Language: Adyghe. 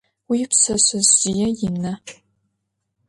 Уипшъэшъэжъые ина?